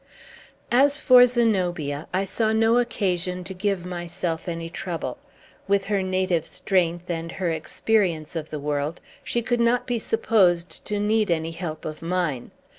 As for Zenobia, I saw no occasion to give myself any trouble. With her native strength, and her experience of the world, she could not be supposed to need any help of mine.